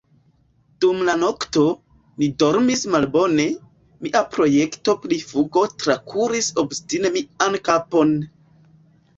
Dum la nokto, mi dormis malbone; mia projekto pri fugo trakuris obstine mian kapon.